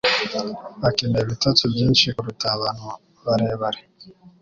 bakeneye ibitotsi byinshi kuruta abantu barebare